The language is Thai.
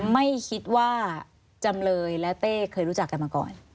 ไม่คิดว่าจำเลยและเต้เคยรู้จักกันมาก่อน